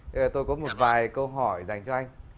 bây giờ tôi có một vài câu hỏi dành cho anh